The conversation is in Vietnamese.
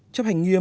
chấp hành nghiêm